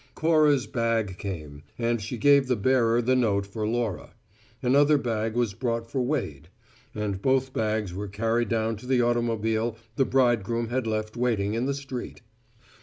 Cora's bag came, and she gave the bearer the note for Laura; another bag was brought for Wade; and both bags were carried down to the automobile the bridegroom had left waiting in the street.